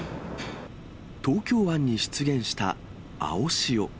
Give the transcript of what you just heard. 東京湾に出現した青潮。